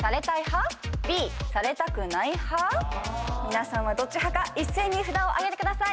皆さんはどっち派か一斉に札を挙げてください。